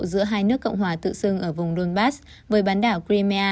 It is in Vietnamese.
giữa hai nước cộng hòa tự xưng ở vùng donbass với bán đảo krimea